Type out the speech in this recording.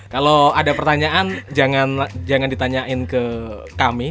kalau ada pertanyaan jangan ditanyain ke kami